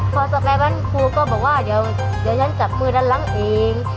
พอกลับไปบ้านครูก็บอกว่าเดี๋ยวฉันจับมือด้านหลังเอง